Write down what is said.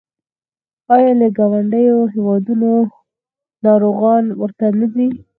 آیا له ګاونډیو هیوادونو ناروغان ورته نه ځي؟